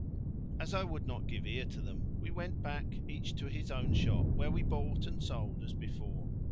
As I would not give ear to them we went back each to his own shop where we bought and sold as before.